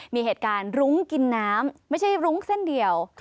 มีเหตุการณ์รุ้งกินน้ำไม่ใช่รุ้งเส้นเดียว